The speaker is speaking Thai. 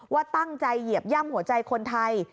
ว่าตั้งใจเหยียบย่ำหัวใจคนไทย